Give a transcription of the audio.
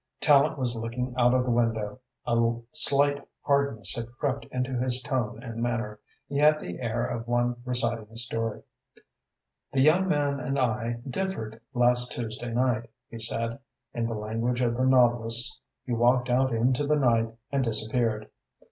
Tallente was looking out of the window. A slight hardness had crept into his tone and manner. He had the air of one reciting a story. "The young man and I differed last Tuesday night," he said. "In the language of the novelists, he walked out into the night and disappeared.